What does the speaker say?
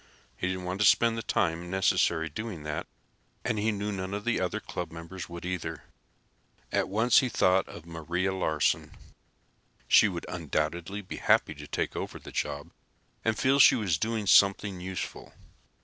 He didn't want to spend the time necessary doing that, and he knew none of the other club members would, either. At once he thought of Maria Larsen. She would undoubtedly be happy to take over the job and feel she was doing something useful.